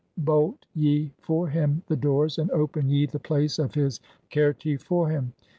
"bolt ye for him (10) the doors, and open [ye] the place of his "Qerti for him.